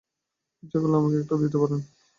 ইচ্ছা করলে আমাকে একটা দিতেও পারেন।